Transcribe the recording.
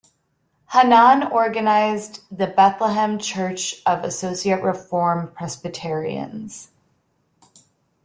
Hannan organized the Bethlehem Church of Associate Reform Presbyterians.